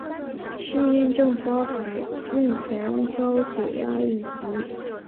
适应症包含妊娠高血压以及。